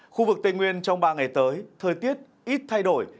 khu vực tây nguyên trong ba ngày tới thời tiết ít thay đổi